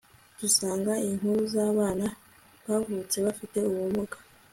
dusanga inkuru zabana bavutse bafite ubumuga